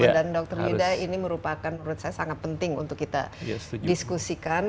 dr yuda ini merupakan menurut saya sangat penting untuk kita diskusikan